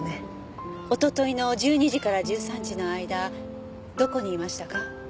一昨日の１２時から１３時の間どこにいましたか？